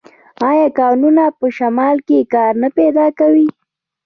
آیا کانونه په شمال کې کار نه پیدا کوي؟